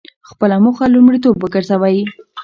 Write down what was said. خپله موخه لومړیتوب وګرځوئ.